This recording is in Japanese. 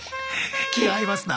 気が合いますな。